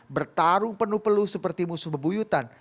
bertarung penuh peluh seperti musuh bebuyutan